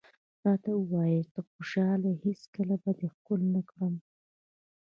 راته ووایه چې ته خوشحاله یې، هېڅکله به دې ښکل نه کړم.